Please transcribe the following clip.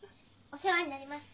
お世話になります。